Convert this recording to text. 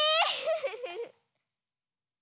フフフ。